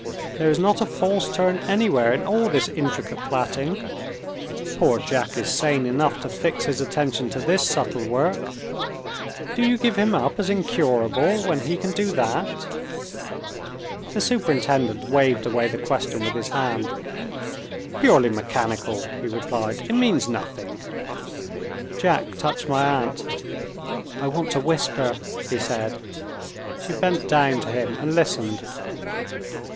"There is not a false turn anywhere in all this intricate plaiting. Poor Jack is sane enough to fix his attention to this subtle work. Do you give him up as incurable, when he can do that?" The superintendent waved away the question with his hand. "Purely mechanical," he replied. "It means nothing." Jack touched my aunt. "I want to whisper," he said. She bent down to him, and listened.